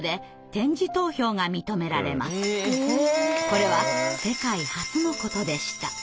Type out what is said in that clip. これは世界初のことでした。